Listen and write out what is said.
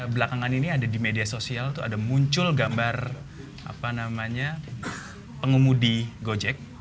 belakangan ini ada di media sosial ada muncul gambar apa namanya pengumudi gojek